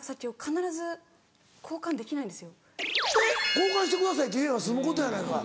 交換してくださいって言えば済むことやないか。